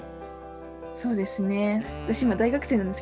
そうですね。